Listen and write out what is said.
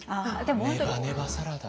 ネバネバサラダ。